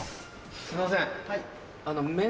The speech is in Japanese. すいません。